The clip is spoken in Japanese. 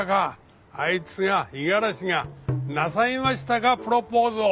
あいつが五十嵐がなさいましたかプロポーズを。